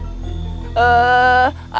eeeh apa yang terjadi